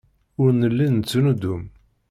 Ur nelli nettnuddum.